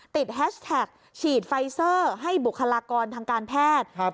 แฮชแท็กฉีดไฟเซอร์ให้บุคลากรทางการแพทย์